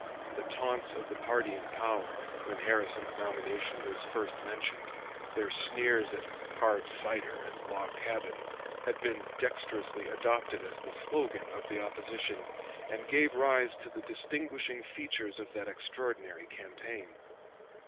The taunts of the party in power, when Harrison's nomination was first mentioned, their sneers at "hard cider" and "log cabins," had been dexterously adopted as the slogan of the opposition, and gave rise to the distinguishing features of that extraordinary campaign.